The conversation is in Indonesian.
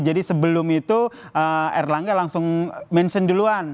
jadi sebelum itu erlangga langsung mention duluan